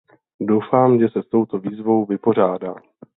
Doufám, že se s touto výzvou vypořádá.